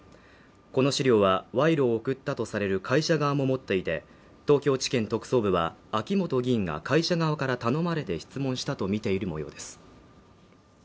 この資料は賄賂を贈ったとされる会社側も持っていて東京地検特捜部は秋元議員が会社側から頼まれて質問したとみている模様です